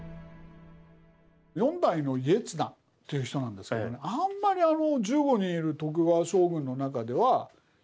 ４代の家綱という人なんですけどねあんまり１５人いる徳川将軍の中では有名ではない。